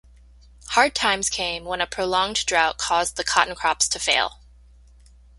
Hard times came when a prolonged drought caused the cotton crops to fail.